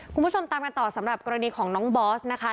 คุณผู้ชมตามกันต่อสำหรับกรณีของน้องบอสนะคะ